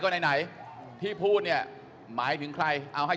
คุณจิลายุเขาบอกว่ามันควรทำงานร่วมกัน